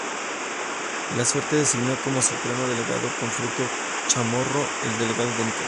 La suerte designó como Supremo Delegado a don Fruto Chamorro, el delegado por Nicaragua.